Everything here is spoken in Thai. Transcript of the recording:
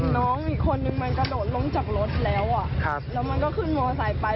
น้องอีกคนนึงมันกระโดดลงจากรถแล้วแล้วมันก็ขึ้นมอไซค์ไป